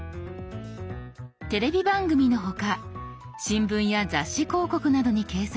テレビ番組の他新聞や雑誌広告などに掲載されている